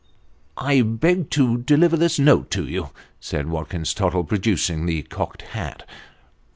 " I beg to deliver this note to you," said Watkins Tottle, producing the cocked hat.